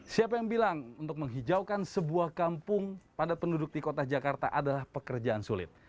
siapa yang bilang untuk menghijaukan sebuah kampung padat penduduk di kota jakarta adalah pekerjaan sulit